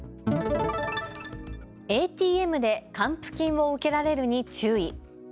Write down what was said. ＡＴＭで還付金を受けられるに注意。